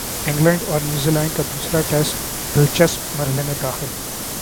England اور New Zealand دوسرا test دلچسپ مرحلے میں داخل